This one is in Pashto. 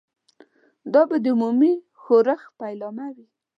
دا به د عمومي ښورښ پیلامه وي.